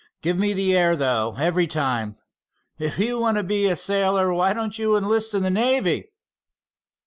"Give me the air, though, every time. If you want to be a sailor, why don't you enlist the navy?"